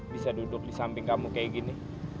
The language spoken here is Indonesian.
bisa duduk di samping kamu kayak gini